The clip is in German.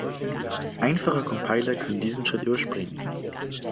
Einfache Compiler können diesen Schritt überspringen.